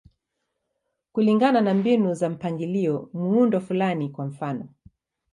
Kulingana na mbinu za mpangilio, muundo fulani, kwa mfano.